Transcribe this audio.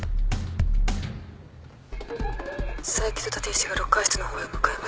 佐伯と立石がロッカー室の方へ向かいました。